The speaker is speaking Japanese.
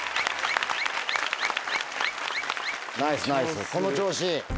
ナイスナイスこの調子。